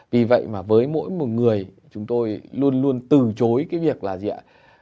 vì vậy mà với mỗi một người chúng tôi luôn luôn từ chối cái việc là gì ạ